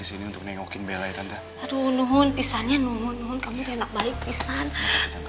sama bella ya tante aduh nuhun pisahnya nuhun kamu tenang baik pisan maaf tante mau ke